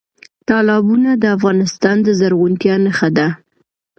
تالابونه د افغانستان د زرغونتیا نښه ده.